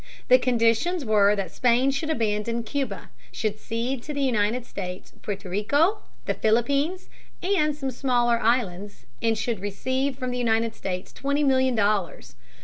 The conditions were that Spain should abandon Cuba, should cede to the United States Porto Rico, the Philippines, and some smaller islands, and should receive from the United States twenty million dollars.